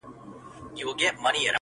ژوند څنګه دی